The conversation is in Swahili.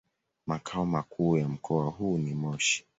Makao makuu ya mkoa huu ni Moshi.